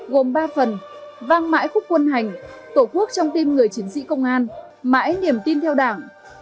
gồm ba phần vang mãi khúc quân hành tổ quốc trong tim người chiến sĩ công an mãi niềm tin theo đảng